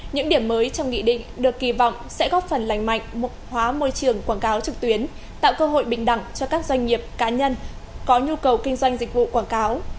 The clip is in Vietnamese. những điểm mới trong nghị định được kỳ vọng sẽ góp phần lành mạnh hóa môi trường quảng cáo trực tuyến tạo cơ hội bình đẳng cho các doanh nghiệp cá nhân có nhu cầu kinh doanh dịch vụ quảng cáo